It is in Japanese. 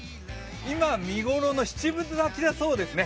今、見頃の七分咲きだそうですね。